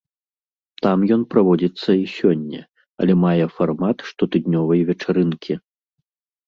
Там ён праводзіцца і сёння, але мае фармат штотыднёвай вечарынкі.